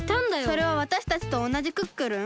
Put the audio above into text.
それはわたしたちとおなじクックルン？